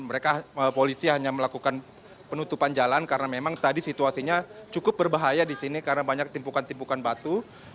mereka polisi hanya melakukan penutupan jalan karena memang tadi situasinya cukup berbahaya di sini karena banyak timpukan timpukan batu